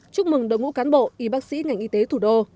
chúc mừng đồng hữu cán bộ y bác sĩ ngành y tế thủ đô